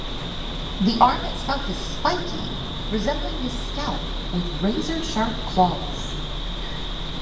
The arm itself is spikey, resembling his scalp, with razor sharp claws.